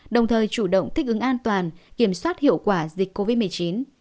đồng thời chủ động thích ứng an toàn kiểm soát hiệu quả dịch covid một mươi chín